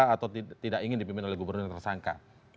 atau tidak ingin dipimpin oleh gubernur yang tersangka